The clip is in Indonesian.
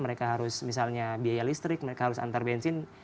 mereka harus misalnya biaya listrik mereka harus antar bensin